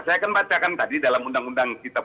saya kan bacakan tadi dalam undang undang kita